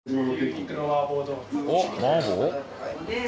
おっ麻婆？